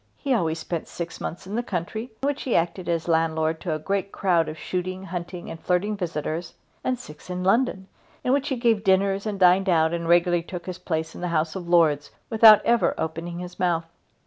He always spent six months in the country, in which he acted as landlord to a great crowd of shooting, hunting, and flirting visitors, and six in London, in which he gave dinners and dined out and regularly took his place in the House of Lords without ever opening his mouth.